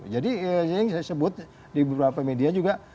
jadi yang saya sebut di beberapa media juga